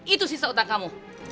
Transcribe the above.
itu sisa utang kamu